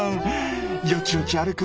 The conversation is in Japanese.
よちよち歩く